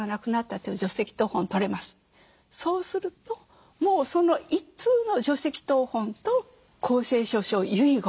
そうするともうその１通の除籍謄本と公正証書遺言